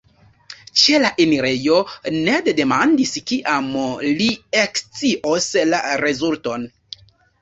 Ĉe la enirejo, Ned demandis kiam li ekscios la rezulton.